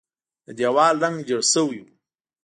د دیوال رنګ ژیړ شوی و.